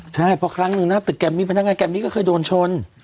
ใช่เพราะครั้งหนึ่งหน้าตึกแกรมมี่พนักงานแกรมมี่ก็เคยโดนชน